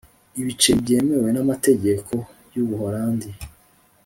ibiceri byemewe n amategeko y ubuholandi